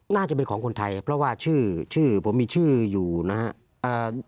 น่าจะเป็นของคนไทยเพราะว่าชื่อชื่อผมมีชื่ออยู่นะครับ